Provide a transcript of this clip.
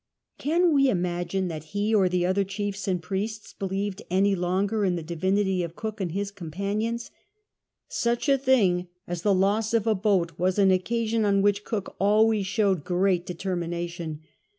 Can we imagine that ho or the other chiefs and jiricsts believed any longer in the divinity of Cook and his companions 1 Such a thing as the loss of the boat was an occasion on which Cook always showed great determination.